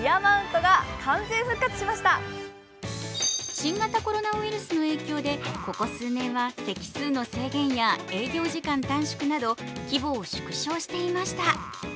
新型コロナウイルスの影響でここ数年は席数の制限や営業時間短縮など規模を縮小していました。